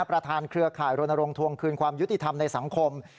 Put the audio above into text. ประธานเครือข่ายโรนโรงทวงคืนความยุติธรรมในสังคม